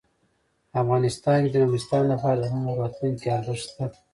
افغانستان کې د نورستان لپاره د نن او راتلونکي ارزښت شته.